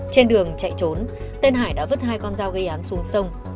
trên đường chạy trốn tên hải đã vứt hai con dao gây án xuống sông